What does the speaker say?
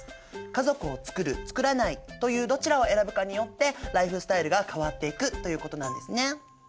家族を作る作らないというどちらを選ぶかによってライフスタイルが変わっていくということなんですね。